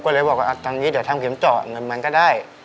ก็เลยบอกว่าทางนี้เดี๋ยวทำเข็มเจาะเงินมันก็ได้